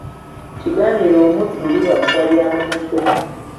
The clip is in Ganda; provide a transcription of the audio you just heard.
Kigaanira omuddu liba bbwa lya mu mutwe.